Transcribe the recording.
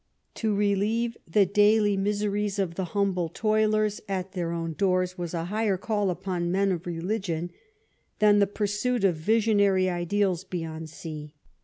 To relieve the daily miseries of the humble toilers at their own doors was a higher call upon men of religion than the pursuit of visionary ideals beyond sea.